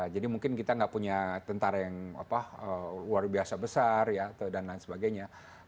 jadi mungkin kita tidak punya tentara yang luar biasa besar dan lain sebagainya